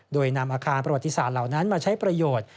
โดยนำอาคารประวัติศาสตร์เหล่านั้นมาใช้ประโยชน์